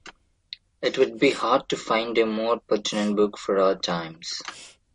It would be hard to find a more pertinent book for our times.